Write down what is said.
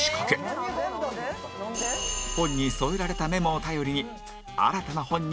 本に添えられたメモを頼りに新たな本に出会う事ができる